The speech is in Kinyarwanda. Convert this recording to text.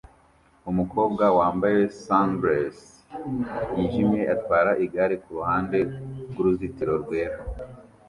Umukobwa wambaye sundress yijimye atwara igare kuruhande rwuruzitiro rwera